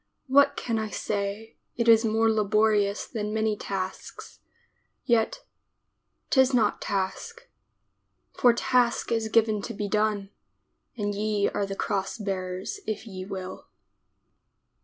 What can I say — it is more laborious than many tasks, Yet — 'tis not task — For task is given to be done And ye are the cross bearers if ye will.